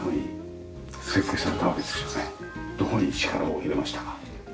どこに力を入れましたか？